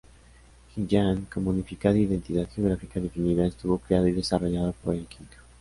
Xinjiang, como unificado, identidad geográfica definida, estuvo creado y desarrollado por el Qing.